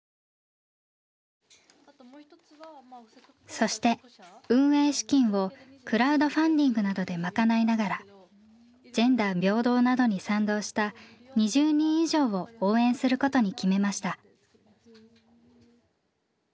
そして運営資金をクラウドファンディングなどで賄いながらジェンダー平等などに賛同した２０人以上を応援することに決めました。